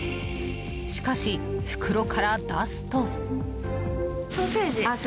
しかし、袋から出すと。